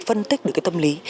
phân tích được cái tâm lý